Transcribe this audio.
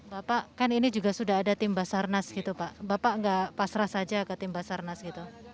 bapak kan ini juga sudah ada tim basarnas gitu pak bapak nggak pasrah saja ke tim basarnas gitu